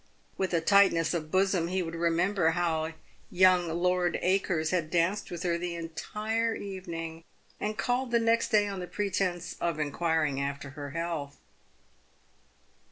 With a tightness of bosom he would remember how young Lord Acres had danced with her the entire evening, and called the next day on the pretence of inquiring after her health.